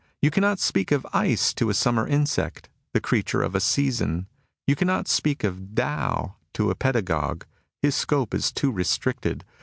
You cannot speak of ice to a summer insect, — the creature of a season. You cannot speak of Tao to a pedagogue : his scope is too restricted.